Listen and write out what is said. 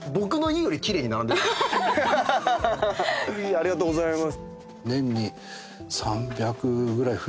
ありがとうございます。